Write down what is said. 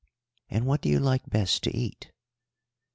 "And what do you like best to eat?"